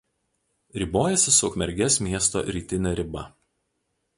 Ribojasi su Ukmergės miesto rytine riba.